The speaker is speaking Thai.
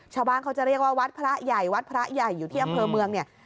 ชาวบ้านเขาจะเรียกว่าวัดพระใหญ่วัดพระใหญ่อยู่ที่อำเภอเมืองเนี่ย